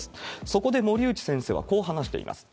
そこで森内先生は、こう話しています。